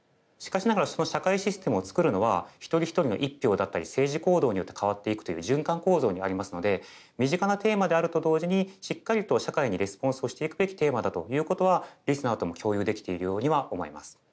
しかしながらその社会システムを作るのは一人一人の一票だったり政治行動によって変わっていくという循環構造にありますので身近なテーマであると同時にしっかりと社会にレスポンスをしていくべきテーマだということはリスナーとも共有できているようには思います。